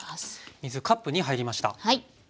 水カップ２入りました。